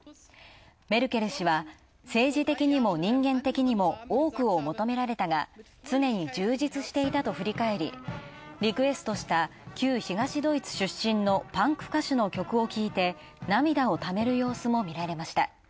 メルケル氏は政治的にも人間的にも多くを求められたが、常に充実していたと振り返りリクエストした旧東ドイツ出身のパンク歌手の曲を聴いて涙をためる様子もみられました。